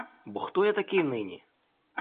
Бо хто я такий нині?